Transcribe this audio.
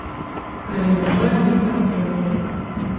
Але, на жаль, не паспеў.